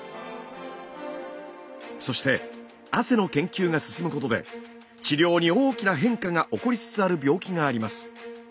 そして汗の研究が進むことで治療に大きな変化が起こりつつある病気があります。